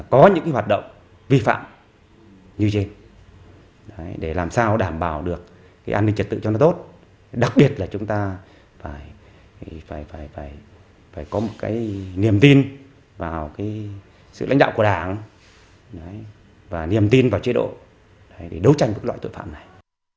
chúng ta phải đảm bảo được cái an ninh trật tự cho nó tốt đặc biệt là chúng ta phải có một cái niềm tin vào cái sự lãnh đạo của đảng và niềm tin vào chế độ để đấu tranh với loại tội phạm này